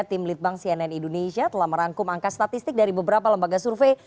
tim litbang cnn indonesia telah merangkum angka statistik dari beberapa lembaga survei